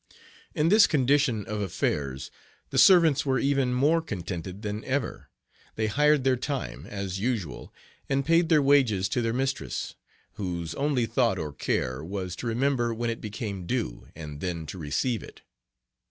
In this condition of affairs the "servants" were even more contented than ever. They hired their time, as usual, and paid their wages to their mistress, whose only thought or care was to remember when it became due, and then to receive it.